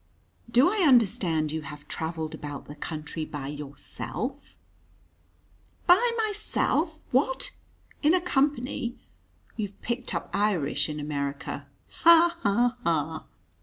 "Do I understand you have travelled about the country by yourself?" "By myself! What, in a company? You've picked up Irish in America. Ha! ha! ha!"